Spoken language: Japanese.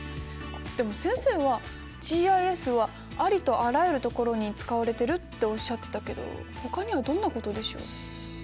でも先生はＧＩＳはありとあらゆるところに使われてるっておっしゃってたけどほかにはどんなことでしょう？